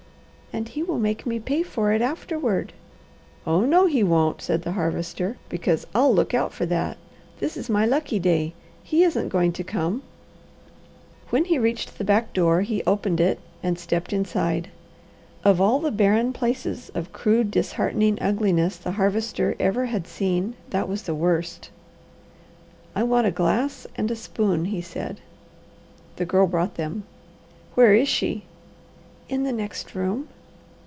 "And he will make me pay for it afterward." "Oh no he won't!" said the Harvester, "because I'll look out for that. This is my lucky day. He isn't going to come." When he reached the back door he opened it and stepped inside. Of all the barren places of crude, disheartening ugliness the Harvester ever had seen, that was the worst. "I want a glass and a spoon," he said. The Girl brought them. "Where is she?" "In the next room."